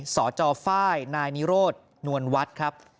สจฝ้ายนายนิโรธนวลวัฒน์ครับ